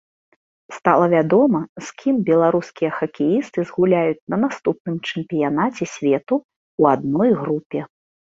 Стала вядома, з кім беларускія хакеісты згуляюць на наступным чэмпіянаце свету ў адной групе.